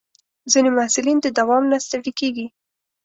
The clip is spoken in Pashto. ځینې محصلین د دوام نه ستړي کېږي.